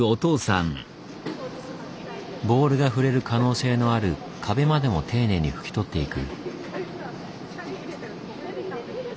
ボールが触れる可能性のある壁までも丁寧に拭き取っていく。